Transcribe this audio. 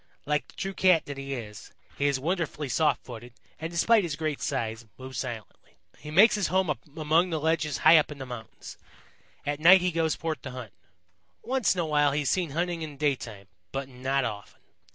Like the true Cat that he is, he is wonderfully soft footed and, despite his great size, moves silently. He makes his home among the ledges high up in the mountains. At night he goes forth to hunt. Once in a while he is seen hunting in daytime, but not often.